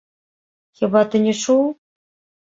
Хіба ты не чуў?